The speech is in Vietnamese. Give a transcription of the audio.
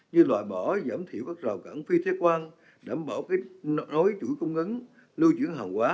như loại bỏ giảm thiểu các rào cản phi thế quan đảm bảo nối chuỗi công ngấn lưu trưởng hàng hóa